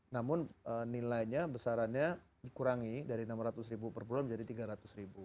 namun nilainya besarannya dikurangi dari rp enam ratus ribu per bulan menjadi rp tiga ratus ribu